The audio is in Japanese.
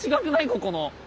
ここの。